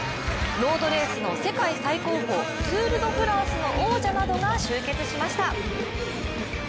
ロードレースの世界最高峰ツール・ド・フランスの王者などが集結しました。